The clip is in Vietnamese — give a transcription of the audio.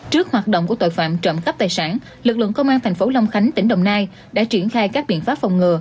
trước hoạt động của tội phạm trộm cắp tài sản lực lượng công an thành phố long khánh tỉnh đồng nai đã triển khai các biện pháp phòng ngừa